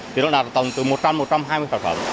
thì nó đạt tầm từ một trăm linh một trăm hai mươi sản phẩm